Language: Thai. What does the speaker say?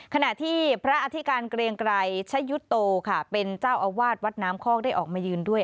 ขณะที่พระอธิการเกรียงไกรชะยุโตค่ะเป็นเจ้าอาวาสวัดน้ำคอกได้ออกมายืนด้วย